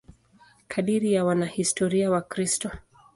Kadiri ya wanahistoria Wakristo.